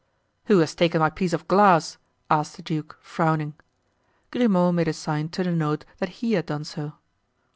"Who has taken my piece of glass?" asked the duke, frowning. Grimaud made a sign to denote that he had done so.